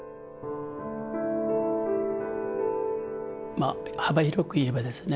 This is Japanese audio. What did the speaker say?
まあ幅広くいえばですね